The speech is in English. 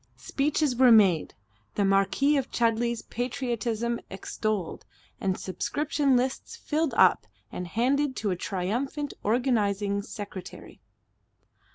Speeches were made, the Marquis of Chudley's patriotism extolled, and subscription lists filled up and handed to a triumphant organizing secretary.